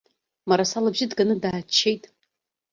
Мараса лыбжьы ҭганы дааччеит.